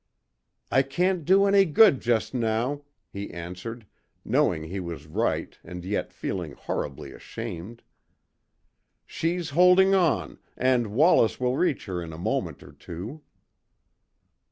"I can't do any good just now," he answered, knowing he was right and yet feeling horribly ashamed. "She's holding on, and Wallace will reach her in a moment or two."